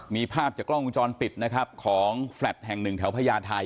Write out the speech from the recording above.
มีภาพจากกล้องวงจรปิดนะครับของแฟลต์แห่งหนึ่งแถวพญาไทย